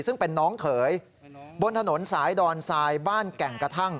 ซึ่งเป็นน้องเขยบนถนนสายดอนทรายบ้านแก่งกระทั่ง